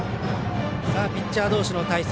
ピッチャー同士の対戦。